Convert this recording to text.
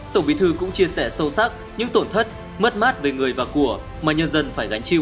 tổng bí thư cũng chia sẻ sâu sắc những tổn thất mất mát về người và của mà nhân dân phải gánh chịu